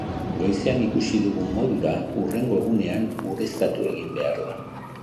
Goizean ikusi dugun modura, hurrengo egunean ureztatu egin behar da.